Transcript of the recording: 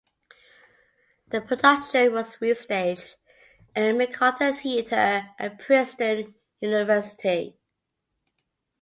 The production was re-staged at the McCarter theater at Princeton University.